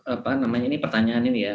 apa namanya ini pertanyaan ini ya